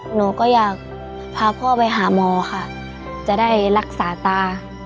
หนูก็อยากพาพ่อไปหาหมอค่ะจะได้รักษาตา